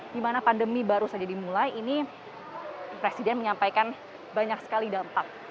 di mana pandemi baru saja dimulai ini presiden menyampaikan banyak sekali dampak